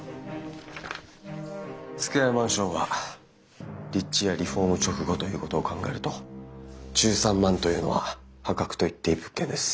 スクエアマンションは立地やリフォーム直後ということを考えると１３万というのは破格と言っていい物件です。